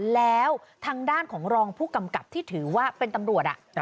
แล้วทางด้านของรองผู้กำกับที่ถือว่าเป็นตำรวจ